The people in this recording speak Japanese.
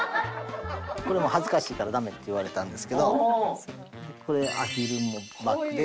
これも恥ずかしいからダメって言われたんですけどこれアヒルのバッグで。